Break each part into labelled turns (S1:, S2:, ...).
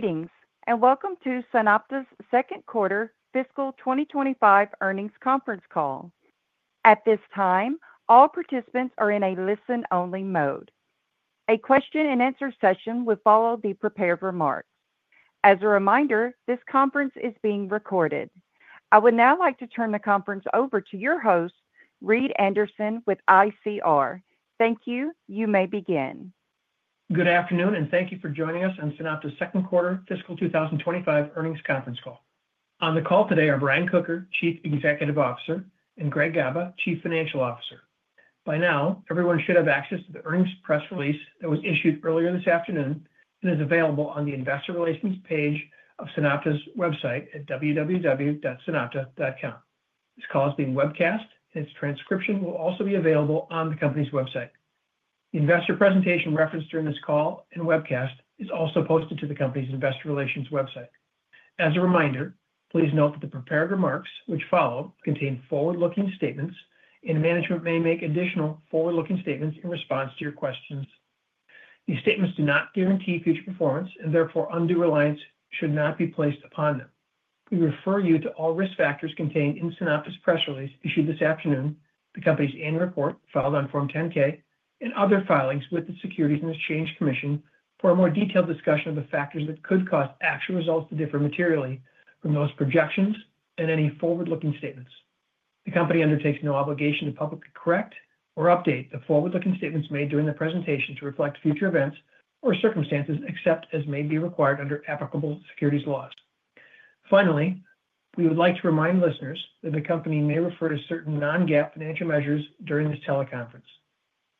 S1: Greetings and welcome to SunOpta's Second Quarter Fiscal 2025 Earnings Conference Call. At this time, all participants are in a listen-only mode. A question and answer session will follow the prepared remarks. As a reminder, this conference is being recorded. I would now like to turn the conference over to your host, Reed Anderson with ICR. Thank you. You may begin.
S2: Good afternoon and thank you for joining us on SunOpta's second quarter fiscal 2025 earnings conference call. On the call today are Brian Kocher, Chief Executive Officer, and Greg Gaba, Chief Financial Officer. By now, everyone should have access to the earnings press release that was issued earlier this afternoon and is available on the Investor Relations page of SunOpta's website at www.sunopta.com. This call is being webcast, and its transcription will also be available on the company's website. The investor presentation referenced during this call and webcast is also posted to the company's Investor Relations website. As a reminder, please note that the prepared remarks which follow contain forward-looking statements, and management may make additional forward-looking statements in response to your questions. These statements do not guarantee future performance, and therefore undue reliance should not be placed upon them. We refer you to all risk factors contained in SunOpta's press release issued this afternoon, the company's annual report filed on Form 10-K, and other filings with the Securities and Exchange Commission for a more detailed discussion of the factors that could cause actual results to differ materially from those projections and any forward-looking statements. The company undertakes no obligation to publicly correct or update the forward-looking statements made during the presentation to reflect future events or circumstances except as may be required under applicable securities laws. Finally, we would like to remind listeners that the company may refer to certain non-GAAP financial measures during this teleconference.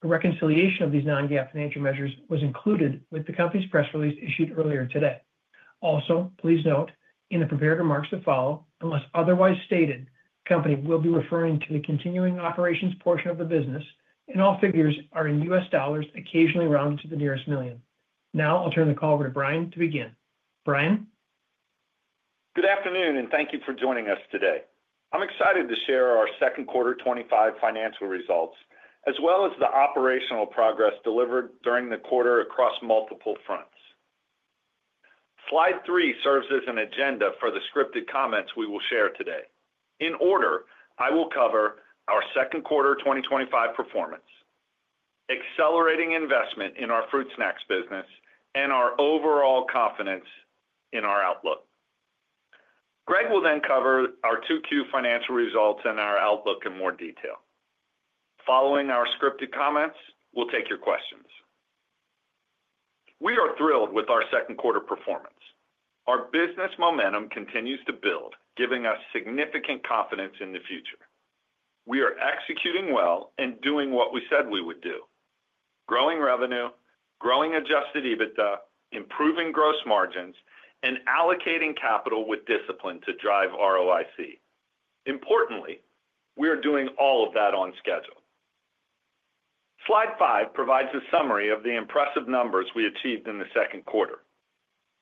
S2: A reconciliation of these non-GAAP financial measures was included with the company's press release issued earlier today. Also, please note in the prepared remarks to follow, unless otherwise stated, the company will be referring to the continuing operations portion of the business, and all figures are in U.S. dollars, occasionally rounded to the nearest million. Now I'll turn the call over to Brian to begin. Brian.
S3: Good afternoon and thank you for joining us today. I'm excited to share our second quarter 2025 financial results, as well as the operational progress delivered during the quarter across multiple fronts. Slide three serves as an agenda for the scripted comments we will share today. In order, I will cover our second quarter 2025 performance, accelerating investment in our fruit snacks business, and our overall confidence in our outlook. Greg will then cover our Q2 financial results and our outlook in more detail. Following our scripted comments, we'll take your questions. We are thrilled with our second quarter performance. Our business momentum continues to build, giving us significant confidence in the future. We are executing well and doing what we said we would do: growing revenue, growing adjusted EBITDA, improving gross margins, and allocating capital with discipline to drive ROIC. Importantly, we are doing all of that on schedule. Slide five provides a summary of the impressive numbers we achieved in the second quarter.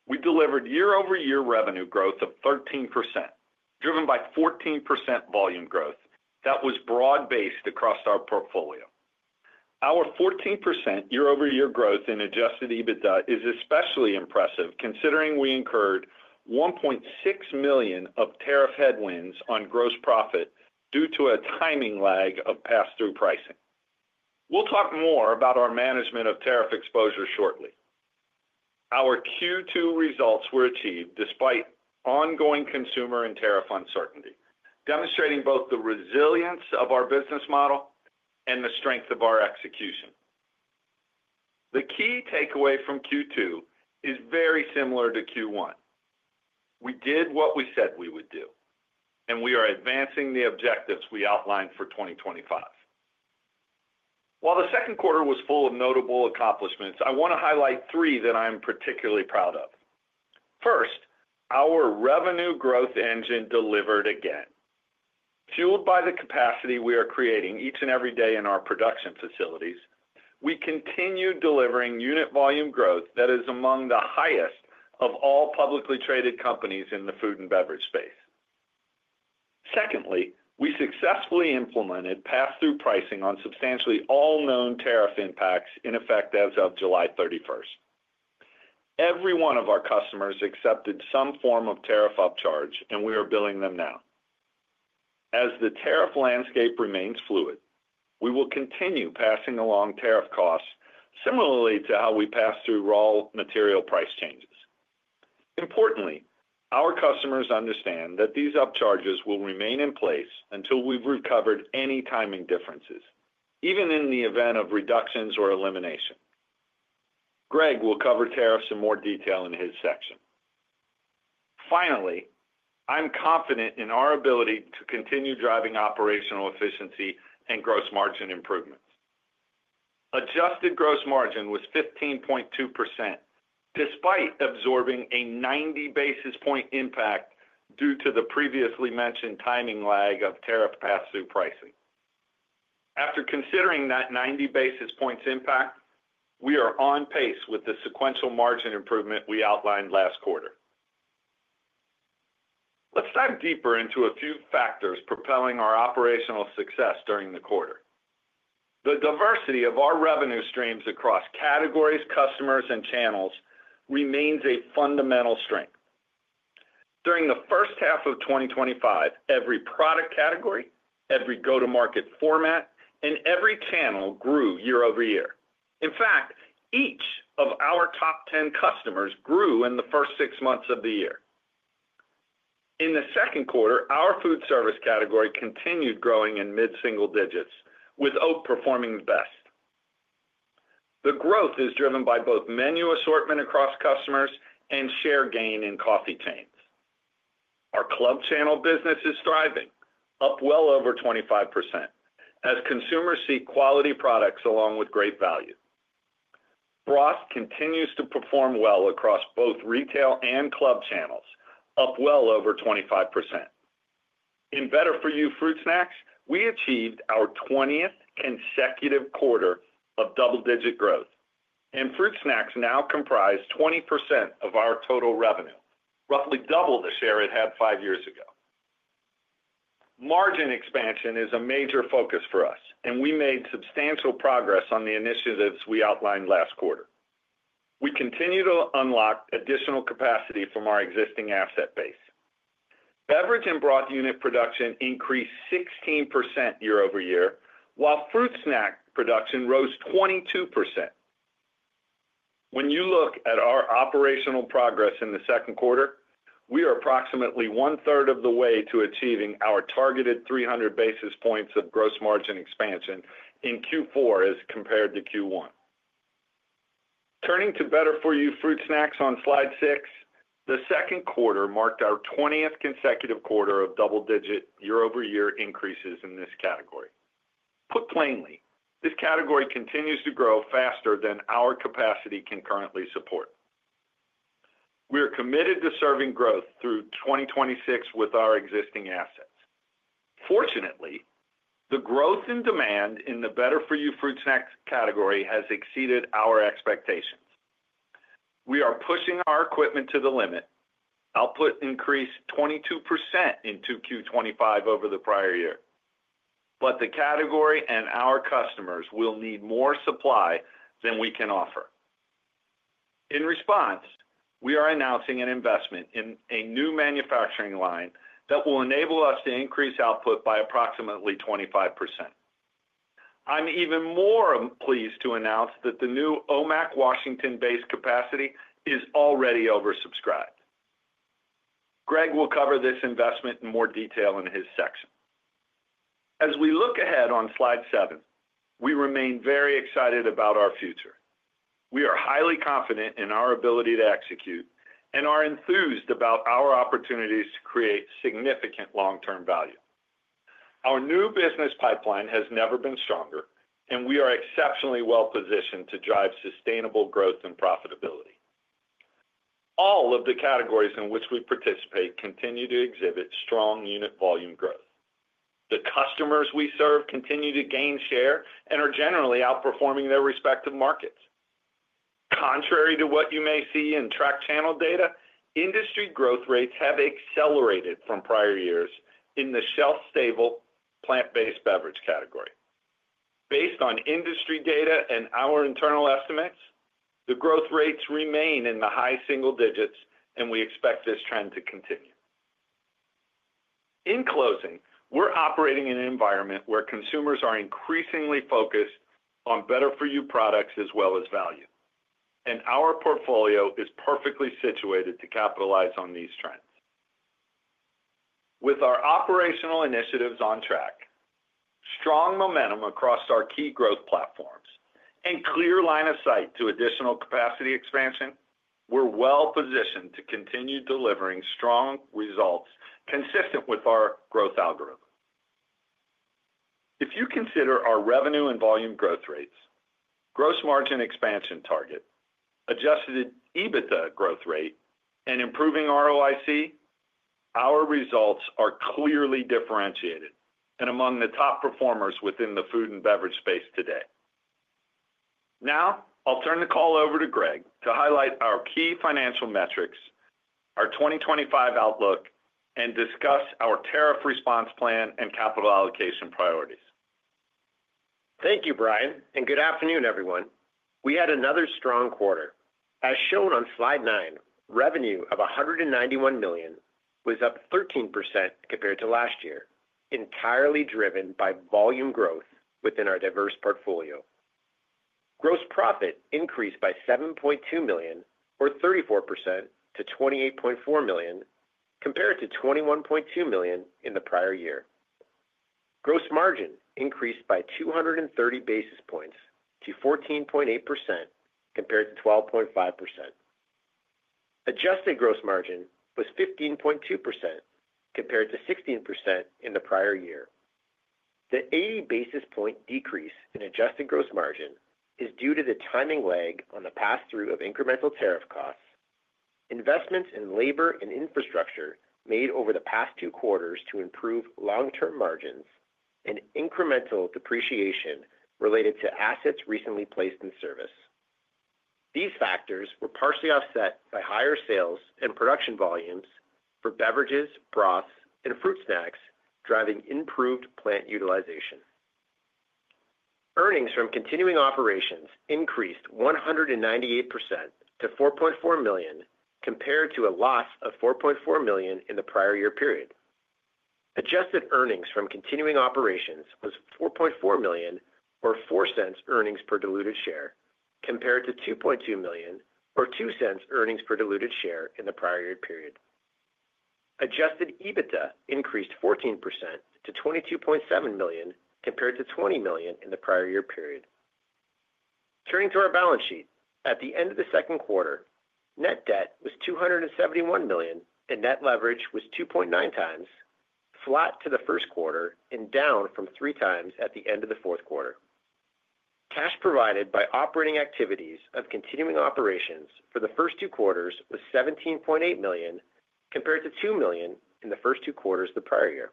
S3: We delivered year-over-year revenue growth of 13%, driven by 14% volume growth that was broad-based across our portfolio. Our 14% year-over-year growth in adjusted EBITDA is especially impressive considering we incurred $1.6 million of tariff headwinds on gross profit due to a timing lag of pass-through pricing. We'll talk more about our management of tariff exposure shortly. Our Q2 results were achieved despite ongoing consumer and tariff uncertainty, demonstrating both the resilience of our business model and the strength of our execution. The key takeaway from Q2 is very similar to Q1. We did what we said we would do, and we are advancing the objectives we outlined for 2025. While the second quarter was full of notable accomplishments, I want to highlight three that I am particularly proud of. First, our revenue growth engine delivered again. Fueled by the capacity we are creating each and every day in our production facilities, we continue delivering unit volume growth that is among the highest of all publicly traded companies in the food and beverage space. Secondly, we successfully implemented pass-through pricing on substantially all known tariff impacts in effect as of July 31st. Every one of our customers accepted some form of tariff upcharge, and we are billing them now. As the tariff landscape remains fluid, we will continue passing along tariff costs similarly to how we pass through raw material price changes. Importantly, our customers understand that these upcharges will remain in place until we've recovered any timing differences, even in the event of reductions or elimination. Greg will cover tariffs in more detail in his section. Finally, I'm confident in our ability to continue driving operational efficiency and gross margin improvements. Adjusted gross margin was 15.2% despite absorbing a 90 basis point impact due to the previously mentioned timing lag of tariff pass-through pricing. After considering that 90 basis points impact, we are on pace with the sequential margin improvement we outlined last quarter. Let's dive deeper into a few factors propelling our operational success during the quarter. The diversity of our revenue streams across categories, customers, and channels remains a fundamental strength. During the first half of 2025, every product category, every go-to-market format, and every channel grew year-over-year. In fact, each of our top 10 customers grew in the first six months of the year. In the second quarter, our food service category continued growing in mid-single digits, with oat performing the best. The growth is driven by both menu assortment across customers and share gain in coffee chains. Our club channel business is thriving, up well over 25%, as consumers see quality products along with great value. Broth continues to perform well across both retail and club channels, up well over 25%. In better-for-you fruit snacks, we achieved our 20th consecutive quarter of double-digit growth, and fruit snacks now comprise 20% of our total revenue, roughly double the share it had five years ago. Margin expansion is a major focus for us, and we made substantial progress on the initiatives we outlined last quarter. We continue to unlock additional capacity from our existing asset base. Beverage and broth unit production increased 16% year-over-year, while fruit snack production rose 22%. When you look at our operational progress in the second quarter, we are approximately one-third of the way to achieving our targeted 300 basis points of gross margin expansion in Q4 as compared to Q1. Turning to better-for-you fruit snacks on slide six, the second quarter marked our 20th consecutive quarter of double-digit year-over-year increases in this category. Put plainly, this category continues to grow faster than our capacity can currently support. We are committed to serving growth through 2026 with our existing assets. Fortunately, the growth in demand in the better-for-you fruit snacks category has exceeded our expectations. We are pushing our equipment to the limit. Output increased 22% in Q2 2025 over the prior year. The category and our customers will need more supply than we can offer. In response, we are announcing an investment in a new manufacturing line that will enable us to increase output by approximately 25%. I'm even more pleased to announce that the new Omak, Washington-based capacity is already oversubscribed. Greg will cover this investment in more detail in his section. As we look ahead on slide seven, we remain very excited about our future. We are highly confident in our ability to execute and are enthused about our opportunities to create significant long-term value. Our new business pipeline has never been stronger, and we are exceptionally well-positioned to drive sustainable growth and profitability. All of the categories in which we participate continue to exhibit strong unit volume growth. The customers we serve continue to gain share and are generally outperforming their respective markets. Contrary to what you may see in track channel data, industry growth rates have accelerated from prior years in the shelf-stable plant-based beverage category. Based on industry data and our internal estimates, the growth rates remain in the high single digits, and we expect this trend to continue. In closing, we're operating in an environment where consumers are increasingly focused on better-for-you products as well as value, and our portfolio is perfectly situated to capitalize on these trends. With our operational initiatives on track, strong momentum across our key growth platforms, and clear line of sight to additional capacity expansion, we're well-positioned to continue delivering strong results consistent with our growth algorithm. If you consider our revenue and volume growth rates, gross margin expansion target, adjusted EBITDA growth rate, and improving ROIC, our results are clearly differentiated and among the top performers within the food and beverage space today. Now, I'll turn the call over to Greg to highlight our key financial metrics, our 2025 outlook, and discuss our tariff response plan and capital allocation priorities.
S4: Thank you, Brian, and good afternoon, everyone. We had another strong quarter. As shown on slide nine, revenue of $191 million was up 13% compared to last year, entirely driven by volume growth within our diverse portfolio. Gross profit increased by $7.2 million, or 34%, to $28.4 million, compared to $21.2 million in the prior year. Gross margin increased by 230 basis points to 14.8% compared to 12.5%. Adjusted gross margin was 15.2% compared to 16% in the prior year. The 80 basis point decrease in adjusted gross margin is due to the timing lag on the pass-through of incremental tariff costs, investments in labor and infrastructure made over the past two quarters to improve long-term margins, and incremental depreciation related to assets recently placed in service. These factors were partially offset by higher sales and production volumes for beverages, broths, and fruit snacks, driving improved plant utilization. Earnings from continuing operations increased 198% to $4.4 million compared to a loss of $4.4 million in the prior year period. Adjusted earnings from continuing operations were $4.4 million, or $0.04 earnings per diluted share, compared to $2.2 million, or $0.02 earnings per diluted share in the prior year period. Adjusted EBITDA increased 14% to $22.7 million compared to $20 million in the prior year period. Turning to our balance sheet, at the end of the second quarter, net debt was $271 million and net leverage was 2.9x, flat to the first quarter and down from 3 times at the end of the fourth quarter. Cash provided by operating activities of continuing operations for the first two quarters was $17.8 million compared to $2 million in the first two quarters of the prior year.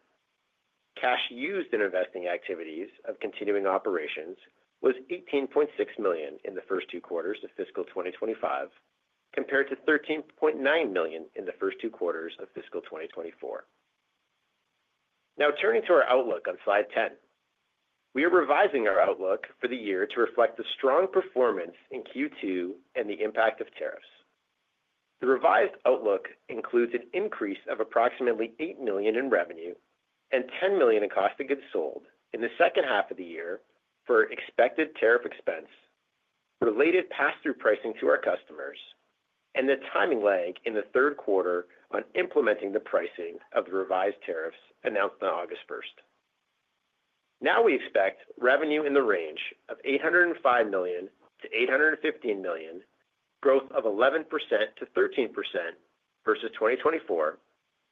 S4: Cash used in investing activities of continuing operations was $18.6 million in the first two quarters of fiscal 2025, compared to $13.9 million in the first two quarters of fiscal 2024. Now, turning to our outlook on slide ten, we are revising our outlook for the year to reflect the strong performance in Q2 and the impact of tariffs. The revised outlook includes an increase of approximately $8 million in revenue and $10 million in cost of goods sold in the second half of the year for expected tariff expense, related pass-through pricing to our customers, and the timing lag in the third quarter on implementing the pricing of the revised tariffs announced on August 1st. Now we expect revenue in the range of $805 million to $815 million, growth of 11%-13% versus 2024,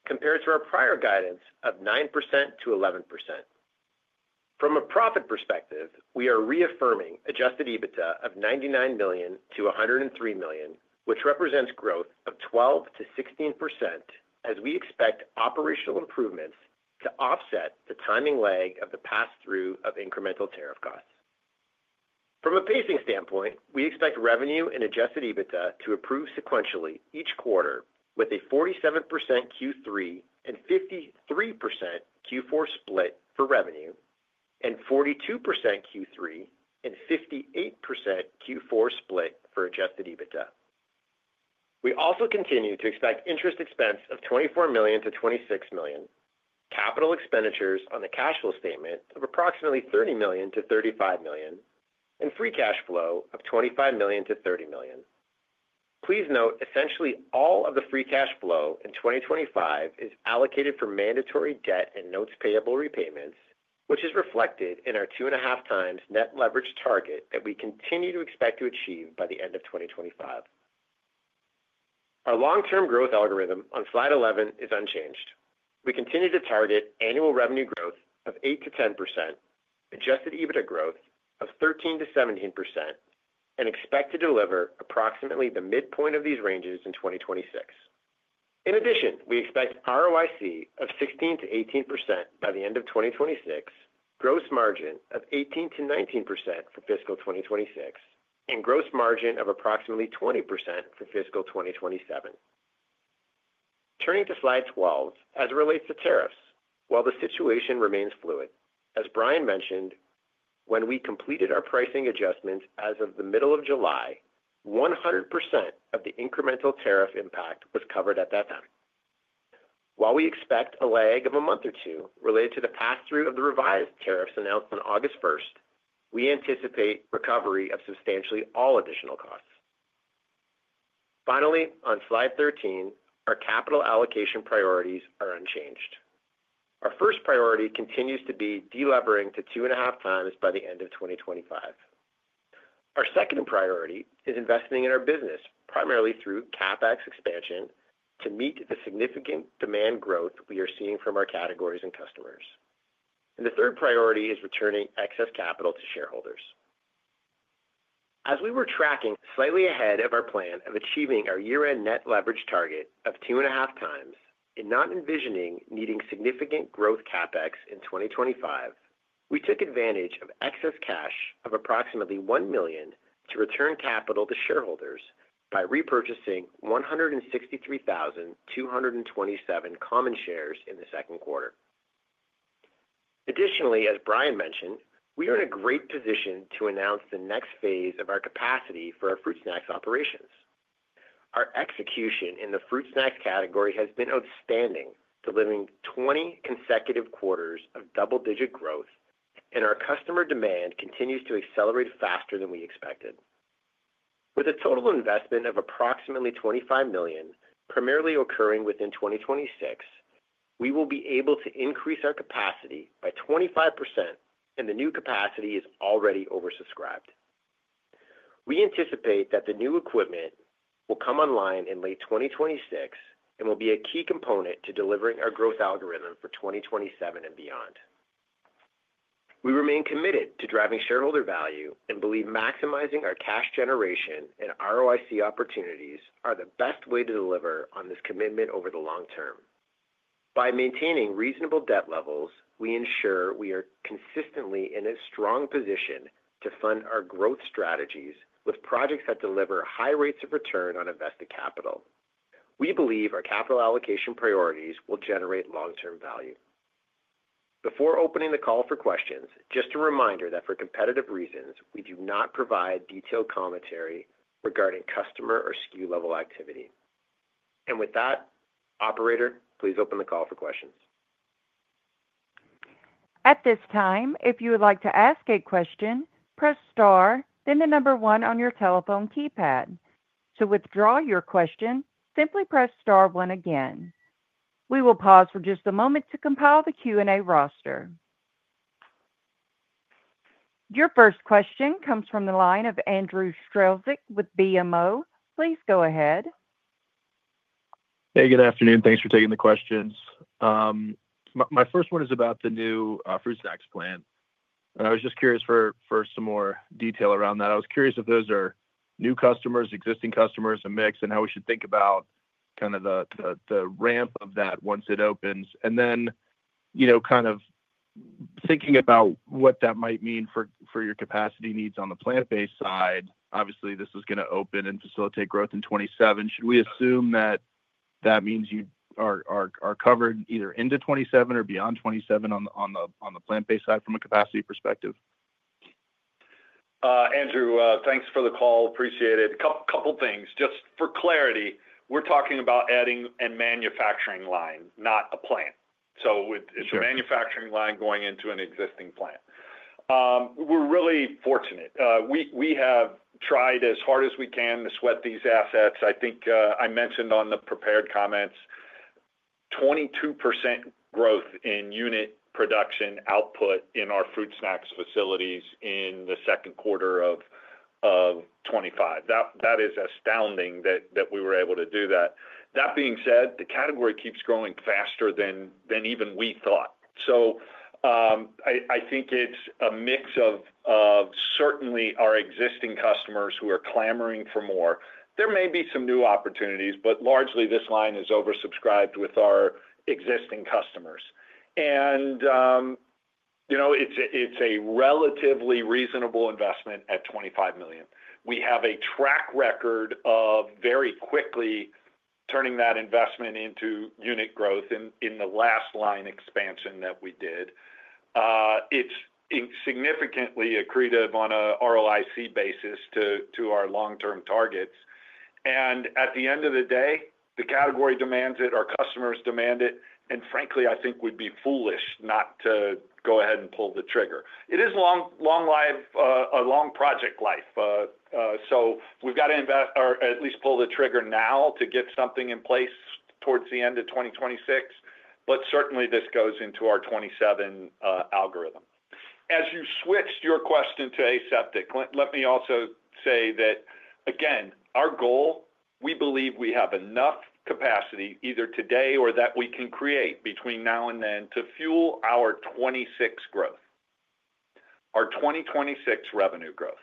S4: compared to our prior guidance of 9%-11%. From a profit perspective, we are reaffirming adjusted EBITDA of $99 million-$103 million, which represents growth of 12%-16%, as we expect operational improvements to offset the timing lag of the pass-through of incremental tariff costs. From a pacing standpoint, we expect revenue and adjusted EBITDA to improve sequentially each quarter, with a 47% Q3 and 53% Q4 split for revenue, and 42% Q3 and 58% Q4 split for adjusted EBITDA. We also continue to expect interest expense of $24 million-$26 million, capital expenditures on the cash flow statement of approximately $30 million-$35 million, and free cash flow of $25 million-$30 million. Please note, essentially all of the free cash flow in 2025 is allocated for mandatory debt and notes payable repayments, which is reflected in our two and a half times net leverage target that we continue to expect to achieve by the end of 2025. Our long-term growth algorithm on slide 11 is unchanged. We continue to target annual revenue growth of 8%-10%, adjusted EBITDA growth of 13%-17%, and expect to deliver approximately the midpoint of these ranges in 2026. In addition, we expect ROIC of 16%-18% by the end of 2026, gross margin of 18%-19% for fiscal 2026, and gross margin of approximately 20% for fiscal 2027. Turning to slide 12 as it relates to tariffs, while the situation remains fluid, as Brian mentioned, when we completed our pricing adjustments as of the middle of July, 100% of the incremental tariff impact was covered at that time. While we expect a lag of a month or two related to the pass-through of the revised tariffs announced on August 1st, we anticipate recovery of substantially all additional costs. Finally, on slide 13, our capital allocation priorities are unchanged. Our first priority continues to be delevering to two and a half times by the end of 2025. Our second priority is investing in our business, primarily through CapEx expansion to meet the significant demand growth we are seeing from our categories and customers. The third priority is returning excess capital to shareholders. As we were tracking slightly ahead of our plan of achieving our year-end net leverage target of 2.5x and not envisioning needing significant growth CapEx in 2025, we took advantage of excess cash of approximately $1 million to return capital to shareholders by repurchasing 163,227 common shares in the second quarter. Additionally, as Brian mentioned, we are in a great position to announce the next phase of our capacity for our fruit snacks operations. Our execution in the fruit snacks category has been outstanding, delivering 20 consecutive quarters of double-digit growth, and our customer demand continues to accelerate faster than we expected. With a total investment of approximately $25 million, primarily occurring within 2026, we will be able to increase our capacity by 25%, and the new capacity is already oversubscribed. We anticipate that the new equipment will come online in late 2026 and will be a key component to delivering our growth algorithm for 2027 and beyond. We remain committed to driving shareholder value and believe maximizing our cash generation and ROIC opportunities are the best way to deliver on this commitment over the long term. By maintaining reasonable debt levels, we ensure we are consistently in a strong position to fund our growth strategies with projects that deliver high rates of return on invested capital. We believe our capital allocation priorities will generate long-term value. Before opening the call for questions, just a reminder that for competitive reasons, we do not provide detailed commentary regarding customer or SKU-level activity. With that, operator, please open the call for questions.
S1: At this time, if you would like to ask a question, press star, then the number one on your telephone keypad. To withdraw your question, simply press star one again. We will pause for just a moment to compile the Q&A roster. Your first question comes from the line of Andrew Strelzik with BMO. Please go ahead.
S5: Hey, good afternoon. Thanks for taking the questions. My first one is about the new fruit snacks plant. I was just curious for some more detail around that. I was curious if those are new customers, existing customers, a mix, and how we should think about kind of the ramp of that once it opens. You know, kind of thinking about what that might mean for your capacity needs on the plant-based side. Obviously, this is going to open and facilitate growth in 2027. Should we assume that means you are covered either into 2027 or beyond 2027 on the plant-based side from a capacity perspective?
S3: Andrew, thanks for the call. Appreciate it. A couple of things. Just for clarity, we're talking about adding a manufacturing line, not a plant. It's a manufacturing line going into an existing plant. We're really fortunate. We have tried as hard as we can to sweat these assets. I think I mentioned on the prepared comments 22% growth in unit production output in our fruit snacks facilities in the second quarter of 2025. That is astounding that we were able to do that. That being said, the category keeps growing faster than even we thought. I think it's a mix of certainly our existing customers who are clamoring for more. There may be some new opportunities, but largely this line is oversubscribed with our existing customers. It's a relatively reasonable investment at $25 million. We have a track record of very quickly turning that investment into unit growth in the last line expansion that we did. It's significantly accretive on an ROIC basis to our long-term targets. At the end of the day, the category demands it, our customers demand it, and frankly, I think we'd be foolish not to go ahead and pull the trigger. It is a long project life. We've got to invest or at least pull the trigger now to get something in place towards the end of 2026. Certainly, this goes into our 2027 algorithm. As you switched your question to aseptic, let me also say that, again, our goal, we believe we have enough capacity either today or that we can create between now and then to fuel our 2026 growth, our 2026 revenue growth.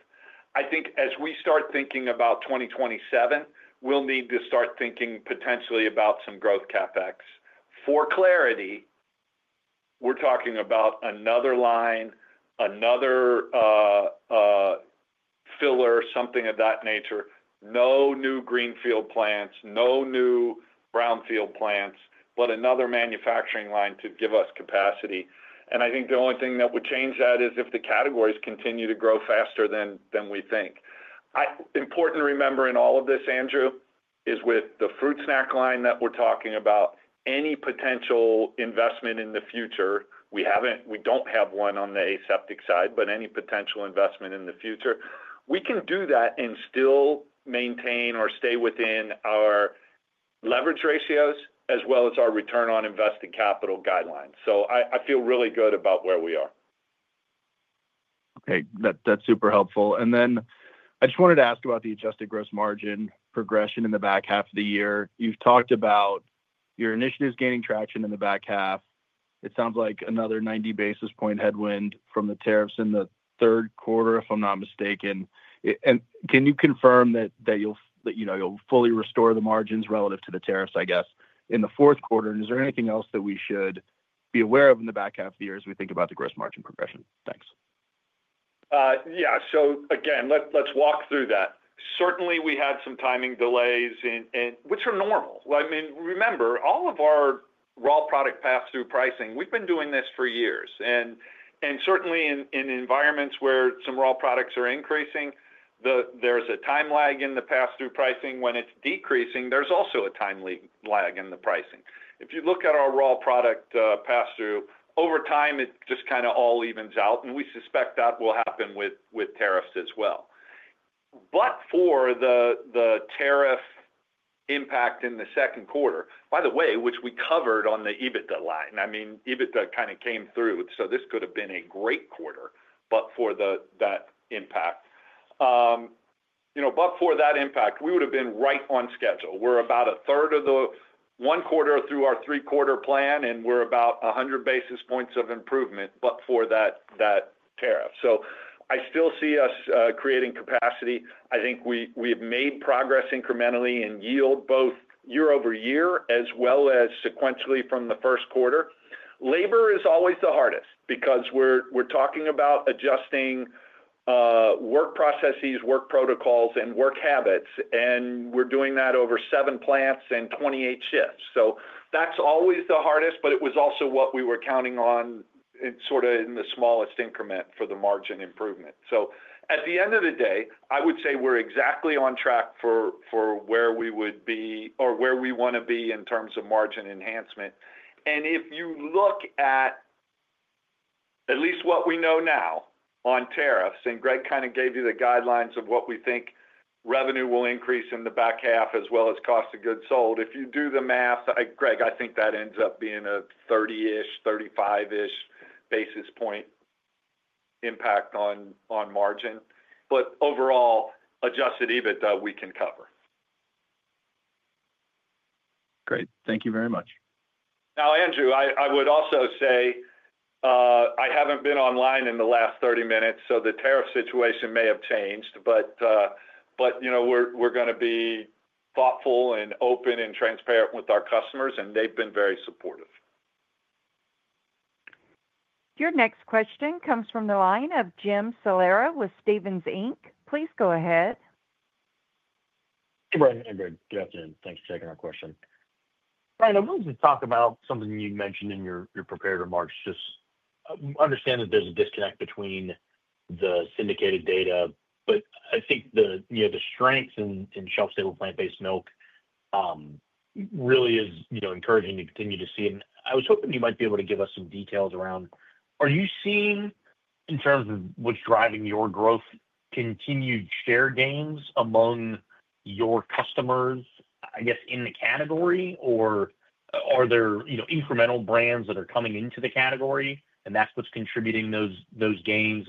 S3: I think as we start thinking about 2027, we'll need to start thinking potentially about some growth CapEx. For clarity, we're talking about another line, another filler, something of that nature. No new greenfield plants, no new brownfield plants, but another manufacturing line to give us capacity. I think the only thing that would change that is if the categories continue to grow faster than we think. Important to remember in all of this, Andrew, is with the fruit snack line that we're talking about, any potential investment in the future, we haven't, we don't have one on the aseptic side, but any potential investment in the future, we can do that and still maintain or stay within our leverage ratios as well as our return on invested capital guidelines. I feel really good about where we are.
S5: Okay, that's super helpful. I just wanted to ask about the adjusted gross margin progression in the back half of the year. You've talked about your initiatives gaining traction in the back half. It sounds like another 90 basis point headwind from the tariffs in the third quarter, if I'm not mistaken. Can you confirm that you'll fully restore the margins relative to the tariffs, I guess, in the fourth quarter? Is there anything else that we should be aware of in the back half of the year as we think about the gross margin progression? Thanks.
S3: Yeah, so again, let's walk through that. Certainly, we had some timing delays, which are normal. I mean, remember, all of our raw product pass-through pricing, we've been doing this for years. Certainly, in environments where some raw products are increasing, there's a time lag in the pass-through pricing. When it's decreasing, there's also a time lag in the pricing. If you look at our raw product pass-through, over time, it just kind of all evens out. We suspect that will happen with tariffs as well. For the tariff impact in the second quarter, by the way, which we covered on the EBITDA line, I mean, EBITDA kind of came through, so this could have been a great quarter for that impact. For that impact, we would have been right on schedule. We're about a third of the one quarter through our three-quarter plan, and we're about 100 basis points of improvement for that tariff. I still see us creating capacity. I think we have made progress incrementally in yield, both year-over-year as well as sequentially from the first quarter. Labor is always the hardest because we're talking about adjusting work processes, work protocols, and work habits. We're doing that over seven plants and 28 shifts. That's always the hardest, but it was also what we were counting on in sort of the smallest increment for the margin improvement. At the end of the day, I would say we're exactly on track for where we would be or where we want to be in terms of margin enhancement. If you look at at least what we know now on tariffs, and Greg kind of gave you the guidelines of what we think revenue will increase in the back half as well as cost of goods sold. If you do the math, Greg, I think that ends up being a 30-ish, 35-ish basis point impact on margin. Overall, adjusted EBITDA we can cover.
S5: Great. Thank you very much.
S3: Now, Andrew, I would also say I haven't been online in the last 30 minutes, so the tariff situation may have changed, but you know we're going to be thoughtful, open, and transparent with our customers, and they've been very supportive.
S1: Your next question comes from the line of Jim Salera with Stephens Inc. Please go ahead.
S6: Hey, Brian. I'm good. Yeah, Jim. Thanks for taking our question. Brian, I wanted to talk about something you mentioned in your prepared remarks. I understand that there's a disconnect between the syndicated data, but I think the strengths in shelf-stable plant-based milk really is encouraging to continue to see. I was hoping you might be able to give us some details around, are you seeing in terms of what's driving your growth, continued share gains among your customers, I guess, in the category, or are there incremental brands that are coming into the category and that's what's contributing those gains?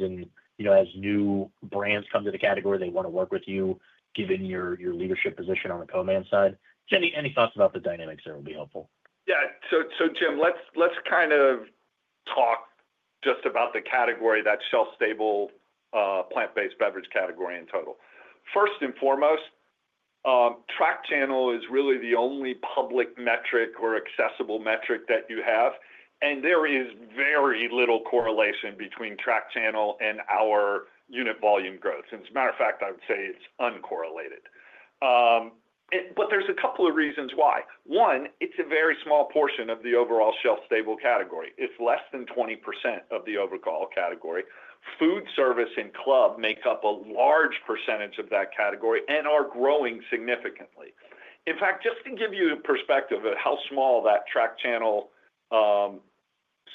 S6: As new brands come to the category, they want to work with you, given your leadership position on the co-man side. Any thoughts about the dynamics there would be helpful.
S3: Yeah. Jim, let's kind of talk just about the category, that shelf-stable, plant-based beverage category in total. First and foremost, track channel is really the only public metric or accessible metric that you have. There is very little correlation between track channel and our unit volume growth. As a matter of fact, I would say it's uncorrelated. There are a couple of reasons why. One, it's a very small portion of the overall shelf-stable category. It's less than 20% of the overall category. Food service and club make up a large percentage of that category and are growing significantly. In fact, just to give you a perspective of how small that track channel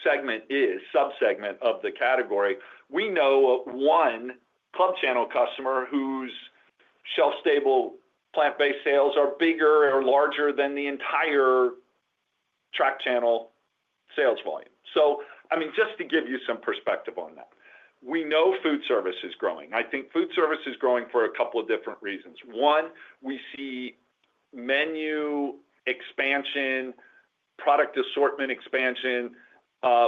S3: segment is, subsegment of the category, we know one club channel customer whose shelf-stable plant-based sales are bigger or larger than the entire track channel sales volume. Just to give you some perspective on that, we know food service is growing. I think food service is growing for a couple of different reasons. One, we see menu expansion, product assortment expansion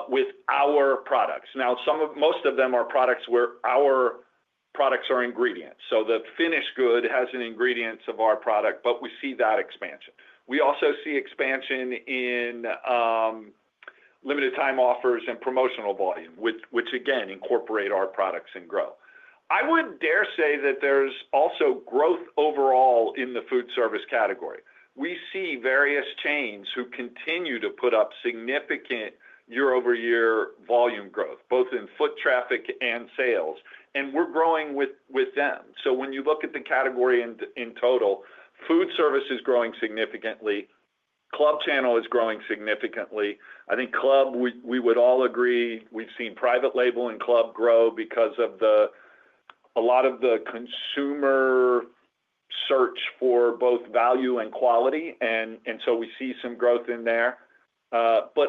S3: with our products. Now, most of them are products where our products are ingredients. The finished good has an ingredient of our product, but we see that expansion. We also see expansion in limited time offers and promotional volume, which again incorporate our products and grow. I would dare say that there's also growth overall in the food service category. We see various chains who continue to put up significant year-over-year volume growth, both in foot traffic and sales, and we're growing with them. When you look at the category in total, food service is growing significantly. Club channel is growing significantly. I think club, we would all agree, we've seen private label and club grow because of a lot of the consumer search for both value and quality, and we see some growth in there.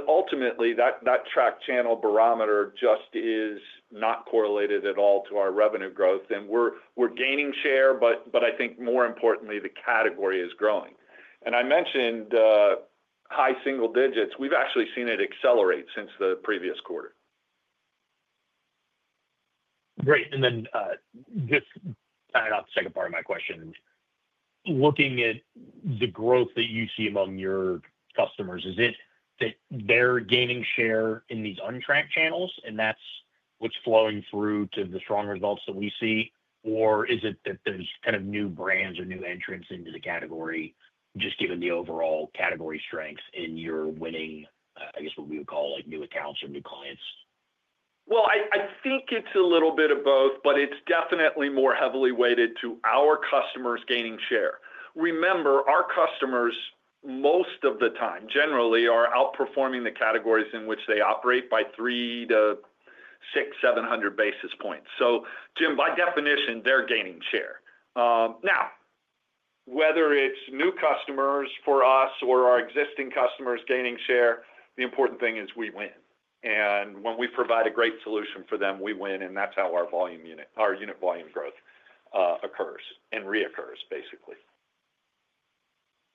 S3: Ultimately, that track channel barometer just is not correlated at all to our revenue growth. We're gaining share, but I think more importantly, the category is growing. I mentioned high single digits. We've actually seen it accelerate since the previous quarter.
S6: Great. Just to add on the second part of my question, looking at the growth that you see among your customers, is it that they're gaining share in these untracked channels and that's what's flowing through to the strong results that we see, or is it that there's kind of new brands or new entrants into the category, just given the overall category strengths and you're winning, I guess what we would call like new accounts or new clients?
S3: I think it's a little bit of both, but it's definitely more heavily weighted to our customers gaining share. Remember, our customers, most of the time, generally are outperforming the categories in which they operate by 300-600, 700 basis points. Jim, by definition, they're gaining share. Now, whether it's new customers for us or our existing customers gaining share, the important thing is we win. When we provide a great solution for them, we win, and that's how our unit volume growth occurs and reoccurs, basically.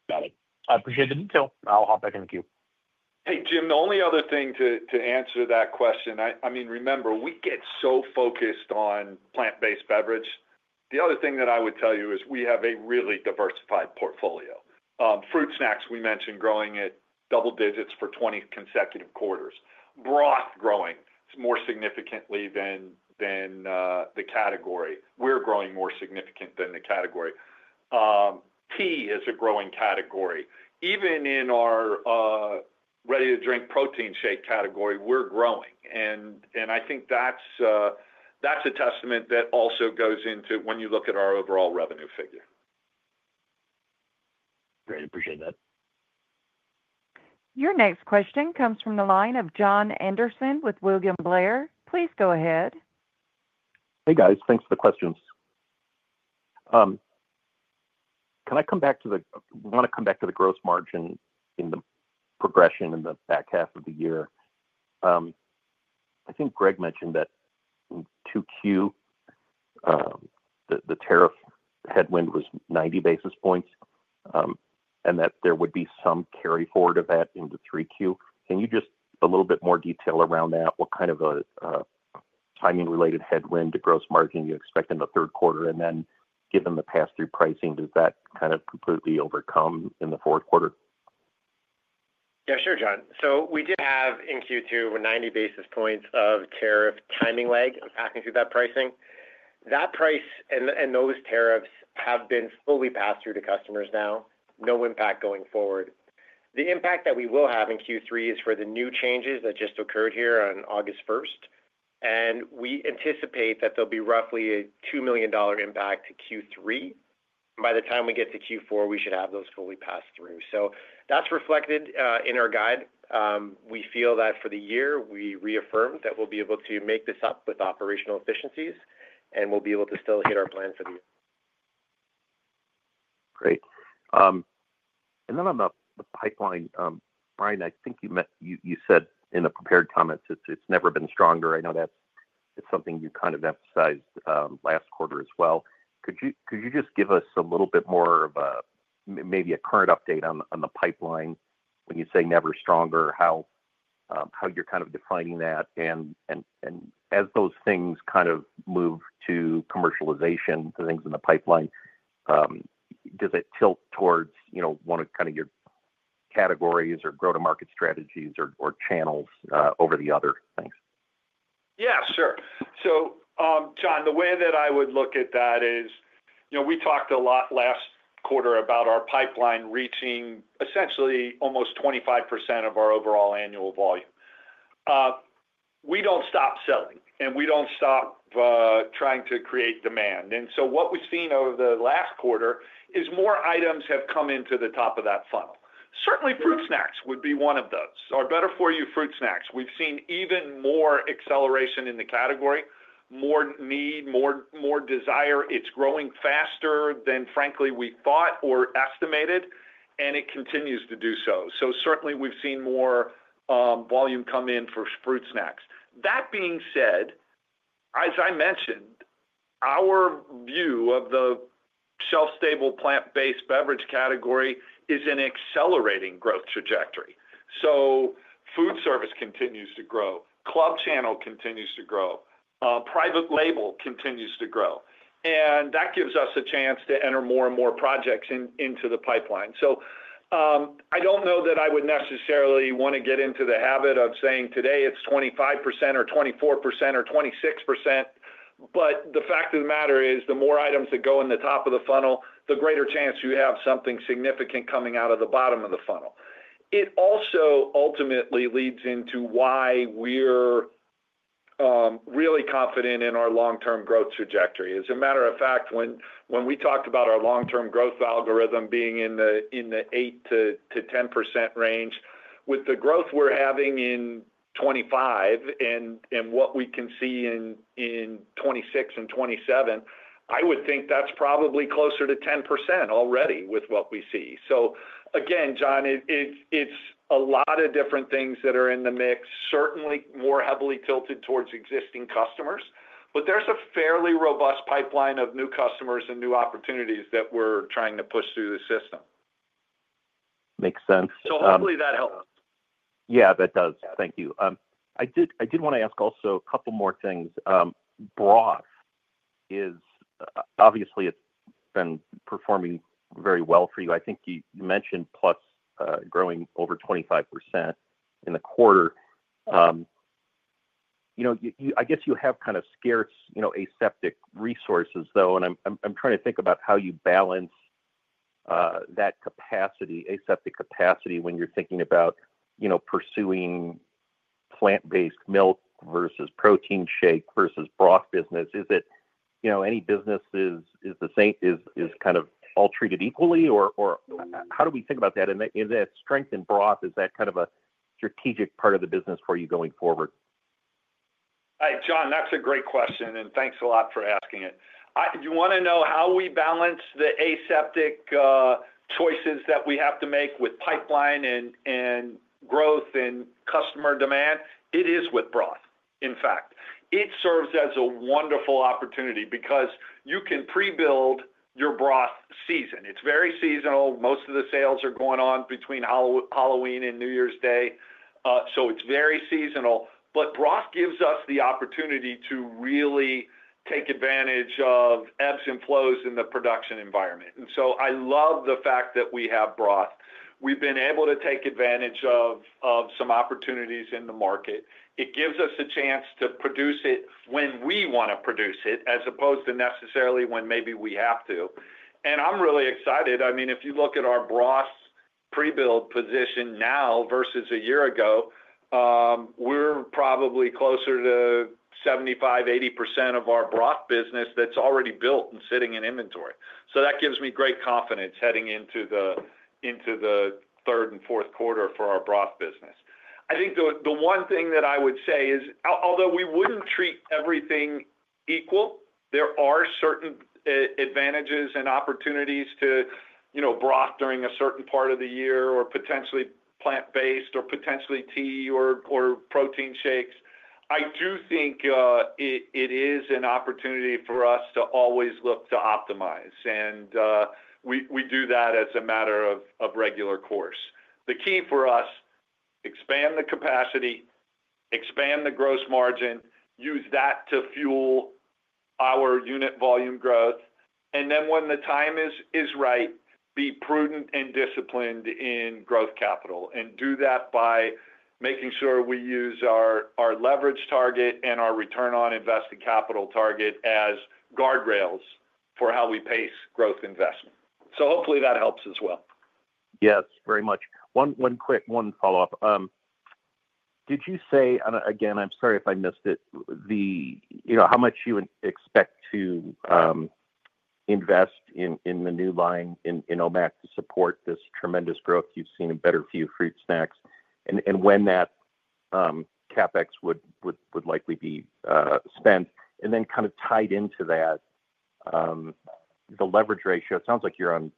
S6: Got it. I appreciate the detail. I'll hop back in the queue.
S3: Hey, Jim, the only other thing to answer that question, I mean, remember, we get so focused on plant-based beverages. The other thing that I would tell you is we have a really diversified portfolio. Better-for-you fruit snacks, we mentioned growing at double digits for 20 consecutive quarters. Broths growing more significantly than the category. We're growing more significantly than the category. Tea is a growing category. Even in our ready-to-drink protein shake category, we're growing. I think that's a testament that also goes into when you look at our overall revenue figure.
S6: Great. I appreciate that.
S1: Your next question comes from the line of Jon Andersen with William Blair. Please go ahead.
S7: Hey, guys. Thanks for the questions. I want to come back to the gross margin and the progression in the back half of the year. I think Greg mentioned that in 2Q, the tariff headwind was 90 basis points, and that there would be some carry forward of that into 3Q. Can you give just a little bit more detail around that? What kind of a timing-related headwind to gross margin do you expect in the third quarter? Given the pass-through pricing, does that kind of completely overcome in the fourth quarter?
S4: Yeah, sure, Jon. We did have in Q2 90 basis points of tariff timing lag passing through that pricing. That price and those tariffs have been fully passed through to customers now. No impact going forward. The impact that we will have in Q3 is for the new changes that just occurred here on August 1st. We anticipate that there'll be roughly a $2 million impact to Q3. By the time we get to Q4, we should have those fully passed through. That's reflected in our guide. We feel that for the year, we reaffirmed that we'll be able to make this up with operational efficiencies, and we'll be able to still hit our plan for the year.
S7: Great. On the pipeline, Brian, I think you said in a prepared comment, it's never been stronger. I know that it's something you kind of emphasized last quarter as well. Could you just give us a little bit more of a maybe a current update on the pipeline when you say never stronger, how you're kind of defining that? As those things kind of move to commercialization, the things in the pipeline, does it tilt towards one of your categories or go-to-market strategies or channels over the other things?
S3: Yeah, sure. Jon, the way that I would look at that is, you know, we talked a lot last quarter about our pipeline reaching essentially almost 25% of our overall annual volume. We don't stop selling, and we don't stop trying to create demand. What we've seen over the last quarter is more items have come into the top of that funnel. Certainly, fruit snacks would be one of those. Our better-for-you fruit snacks, we've seen even more acceleration in the category, more need, more desire. It's growing faster than, frankly, we thought or estimated, and it continues to do so. Certainly, we've seen more volume come in for fruit snacks. That being said, as I mentioned, our view of the shelf-stable plant-based beverage category is an accelerating growth trajectory. Food service continues to grow, club channel continues to grow, private label continues to grow, and that gives us a chance to enter more and more projects into the pipeline. I don't know that I would necessarily want to get into the habit of saying today it's 25% or 24% or 26%, but the fact of the matter is the more items that go in the top of the funnel, the greater chance you have something significant coming out of the bottom of the funnel. It also ultimately leads into why we're really confident in our long-term growth trajectory. As a matter of fact, when we talked about our long-term growth algorithm being in the 8%-10% range, with the growth we're having in 2025 and what we can see in 2026 and 2027, I would think that's probably closer to 10% already with what we see. Again, Jon, it's a lot of different things that are in the mix, certainly more heavily tilted towards existing customers, but there's a fairly robust pipeline of new customers and new opportunities that we're trying to push through the system.
S7: Makes sense.
S3: Hopefully that helps.
S7: Yeah, that does. Thank you. I did want to ask also a couple more things. Broth has obviously been performing very well for you. I think you mentioned plus growing over 25% in the quarter. I guess you have kind of scarce, you know, aseptic resources, though, and I'm trying to think about how you balance that capacity, aseptic capacity, when you're thinking about, you know, pursuing plant-based milk versus protein shake versus broth business. Is it, you know, any business is the same, is kind of all treated equally, or how do we think about that? Is that strength in broth, is that kind of a strategic part of the business for you going forward?
S3: Hey, Jon, that's a great question, and thanks a lot for asking it. I want to know how we balance the aseptic choices that we have to make with pipeline and growth and customer demand. It is with broth, in fact. It serves as a wonderful opportunity because you can pre-build your broth season. It's very seasonal. Most of the sales are going on between Halloween and New Year's Day, so it's very seasonal. Broth gives us the opportunity to really take advantage of ebbs and flows in the production environment. I love the fact that we have broth. We've been able to take advantage of some opportunities in the market. It gives us a chance to produce it when we want to produce it, as opposed to necessarily when maybe we have to. I'm really excited. If you look at our broth pre-build position now versus a year ago, we're probably closer to 75%-80% of our broth business that's already built and sitting in inventory. That gives me great confidence heading into the third and fourth quarter for our broth business. I think the one thing that I would say is, although we wouldn't treat everything equal, there are certain advantages and opportunities to broth during a certain part of the year, or potentially plant-based, or potentially tea or protein shakes. I do think it is an opportunity for us to always look to optimize, and we do that as a matter of regular course. The key for us is to expand the capacity, expand the gross margin, use that to fuel our unit volume growth, and when the time is right, be prudent and disciplined in growth capital. Do that by making sure we use our leverage target and our return on invested capital target as guardrails for how we pace growth investment. Hopefully that helps as well.
S7: Yes, very much. One quick follow-up. Did you say, and again, I'm sorry if I missed it, how much you expect to invest in the new line in Omak to support this tremendous growth you've seen in better-for-you fruit snacks and when that CapEx would likely be spent? Kind of tied into that, the leverage ratio, it sounds like you're on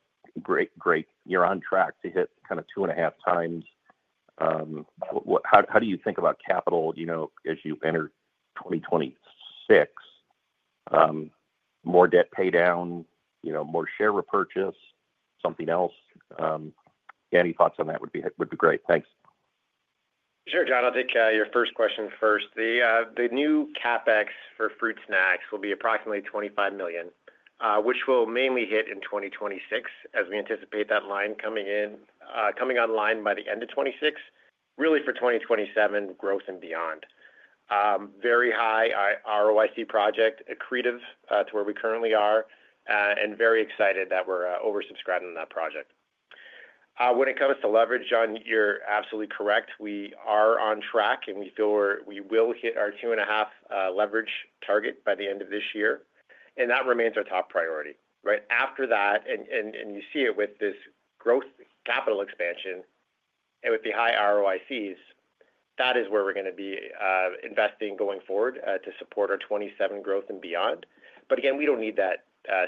S7: track to hit kind of two and a half times. How do you think about capital as you enter 2026? More debt pay down, more share repurchase, something else? Any thoughts on that would be great. Thanks.
S4: Sure, Jon. I'll take your first question first. The new CapEx for fruit snacks will be approximately $25 million, which will mainly hit in 2026, as we anticipate that line coming in, coming online by the end of 2026, really for 2027 growth and beyond. Very high ROIC project, accretive to where we currently are, and very excited that we're oversubscribing on that project. When it comes to leverage, John, you're absolutely correct. We are on track, and we feel we will hit our 2.5 leverage target by the end of this year. That remains our top priority. Right after that, you see it with this growth capital expansion and with the high ROICs, that is where we're going to be investing going forward to support our 2027 growth and beyond. We don't need that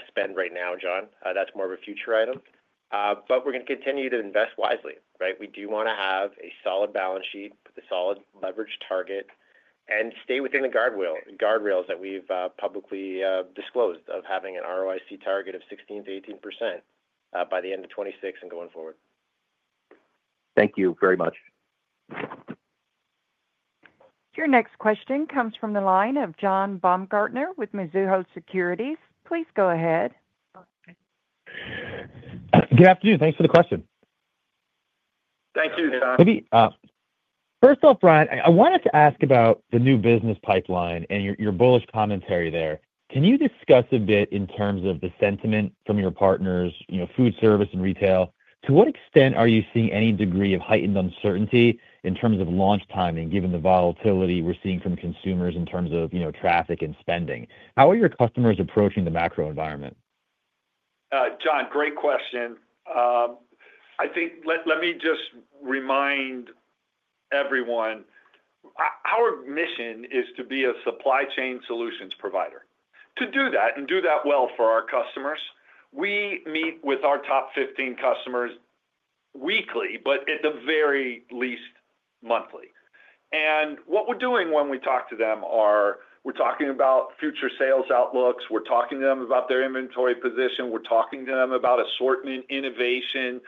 S4: spend right now, Jon. That's more of a future item. We're going to continue to invest wisely. We do want to have a solid balance sheet with a solid leverage target and stay within the guardrails that we've publicly disclosed of having an ROIC target of 16%-18% by the end of 2026 and going forward.
S6: Thank you very much.
S1: Your next question comes from the line of John Baumgartner with Mizuho Securities. Please go ahead.
S8: Good afternoon. Thanks for the question.
S3: Thank you, John.
S8: First off, Brian, I wanted to ask about the new business pipeline and your bullish commentary there. Can you discuss a bit in terms of the sentiment from your partners, you know, food service and retail? To what extent are you seeing any degree of heightened uncertainty in terms of launch timing, given the volatility we're seeing from consumers in terms of, you know, traffic and spending? How are your customers approaching the macro environment?
S3: John, great question. Let me just remind everyone our mission is to be a supply chain solutions provider. To do that and do that well for our customers, we meet with our top 15 customers weekly, but at the very least monthly. What we're doing when we talk to them is we're talking about future sales outlooks, we're talking to them about their inventory position, we're talking to them about assortment, innovation,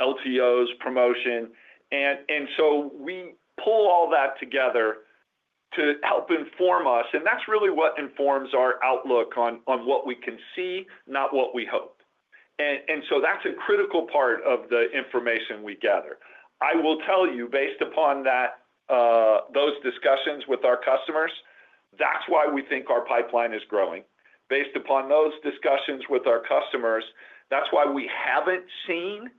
S3: LTOs, promotion. We pull all that together to help inform us, and that's really what informs our outlook on what we can see, not what we hope. That's a critical part of the information we gather. I will tell you, based upon those discussions with our customers, that's why we think our pipeline is growing. Based upon those discussions with our customers, that's why we haven't seen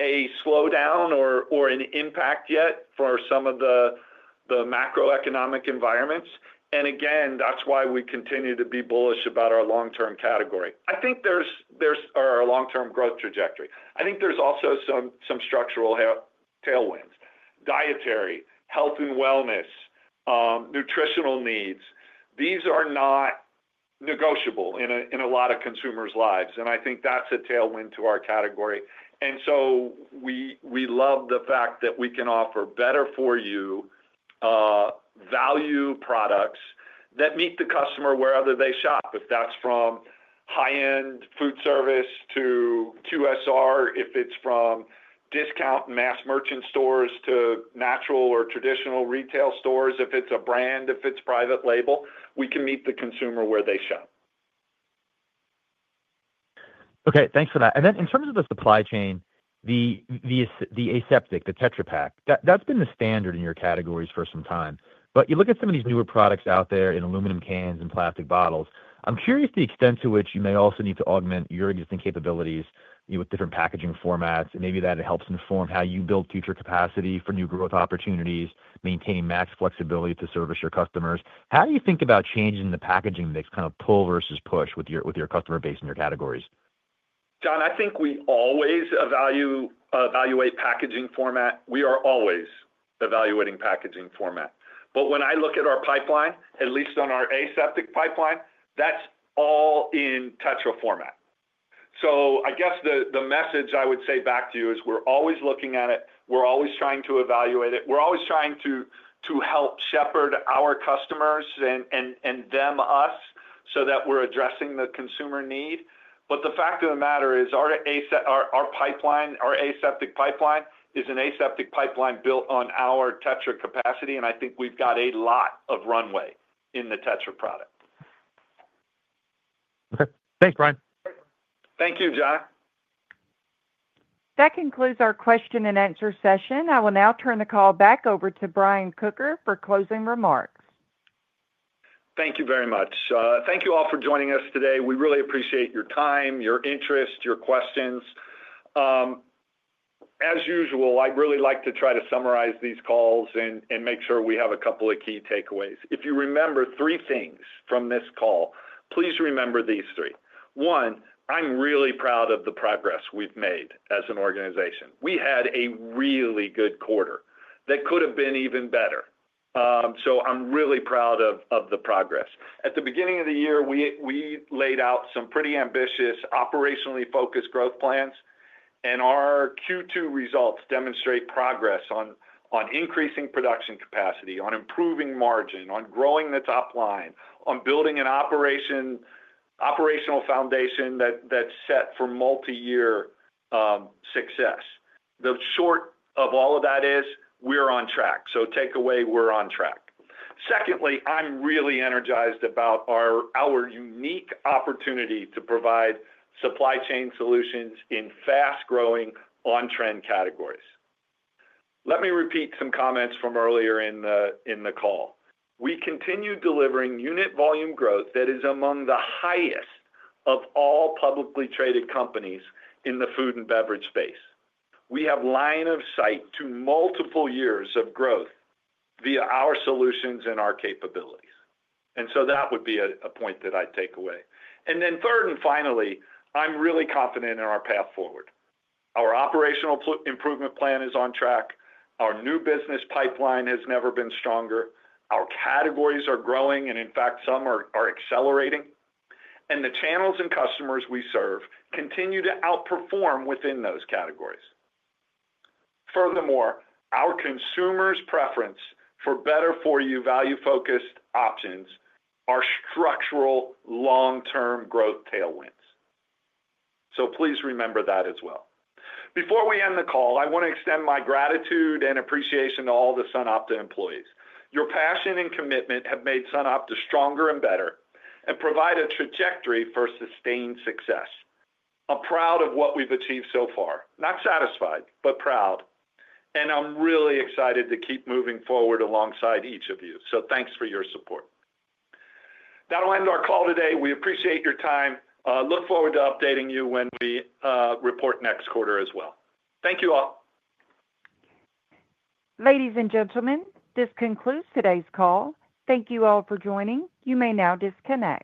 S3: a slowdown or an impact yet for some of the macroeconomic environments. That's why we continue to be bullish about our long-term category. I think there's our long-term growth trajectory. I think there's also some structural tailwinds: dietary, health and wellness, nutritional needs. These are not negotiable in a lot of consumers' lives, and I think that's a tailwind to our category. We love the fact that we can offer better-for-you value products that meet the customer wherever they shop. If that's from high-end food service to QSR, if it's from discount mass merchant stores to natural or traditional retail stores, if it's a brand, if it's private label, we can meet the consumer where they shop.
S8: Okay, thanks for that. In terms of the supply chain, the aseptic, the Tetra Pak. That's been the standard in your categories for some time. You look at some of these newer products out there in aluminum cans and plastic bottles. I'm curious the extent to which you may also need to augment your existing capabilities with different packaging formats, and maybe that helps inform how you build future capacity for new growth opportunities, maintain max flexibility to service your customers. How do you think about changes in the packaging mix, kind of pull versus push with your customer base and your categories?
S3: I think we always evaluate packaging format. We are always evaluating packaging format. When I look at our pipeline, at least on our aseptic pipeline, that's all in Tetra format. The message I would say back to you is we're always looking at it. We're always trying to evaluate it. We're always trying to help shepherd our customers and them us so that we're addressing the consumer need. The fact of the matter is our pipeline, our aseptic pipeline, is an aseptic pipeline built on our Tetra capacity, and I think we've got a lot of runway in the Tetra product.
S8: Okay, thanks, Brian.
S3: Thank you, John.
S1: That concludes our question and answer session. I will now turn the call back over to Brian Kocher for closing remarks.
S3: Thank you very much. Thank you all for joining us today. We really appreciate your time, your interest, your questions. As usual, I'd really like to try to summarize these calls and make sure we have a couple of key takeaways. If you remember three things from this call, please remember these three. One, I'm really proud of the progress we've made as an organization. We had a really good quarter that could have been even better. I'm really proud of the progress. At the beginning of the year, we laid out some pretty ambitious, operationally focused growth plans, and our Q2 results demonstrate progress on increasing production capacity, on improving margin, on growing the top line, on building an operational foundation that's set for multi-year success. The short of all of that is we're on track. Take away, we're on track. Secondly, I'm really energized about our unique opportunity to provide supply chain solutions in fast-growing on-trend categories. Let me repeat some comments from earlier in the call. We continue delivering unit volume growth that is among the highest of all publicly traded companies in the food and beverage space. We have line of sight to multiple years of growth via our solutions and our capabilities. That would be a point that I'd take away. Third and finally, I'm really confident in our path forward. Our operational improvement plan is on track. Our new business pipeline has never been stronger. Our categories are growing, and in fact, some are accelerating. The channels and customers we serve continue to outperform within those categories. Furthermore, our consumers' preference for better-for-you value-focused options are structural long-term growth tailwinds. Please remember that as well. Before we end the call, I want to extend my gratitude and appreciation to all the SunOpta employees. Your passion and commitment have made SunOpta stronger and better and provide a trajectory for sustained success. I'm proud of what we've achieved so far. Not satisfied, but proud. I'm really excited to keep moving forward alongside each of you. Thanks for your support. That'll end our call today. We appreciate your time. Look forward to updating you when we report next quarter as well. Thank you all.
S1: Ladies and gentlemen, this concludes today's call. Thank you all for joining. You may now disconnect.